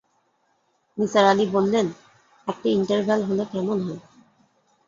নিসার আলি বললেন, একটা ইন্টারভ্যাল হলে কেমন হয়।